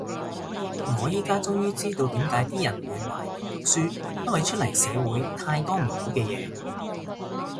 我依家終於知道點解啲人會懷念讀書，因為出嚟社會太多唔好嘅嘢